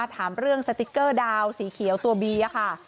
ถามเรื่องสติ๊กเกอร์ดาวสีเขียวตัวบีค่ะ